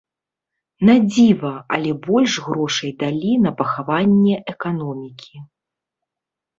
На дзіва, але больш грошай далі на пахаванне эканомікі.